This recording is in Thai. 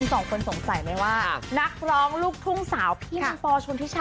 สองคนสงสัยว่านักร้องลูกทุ่งสาวพี่แมงปอชมพิชา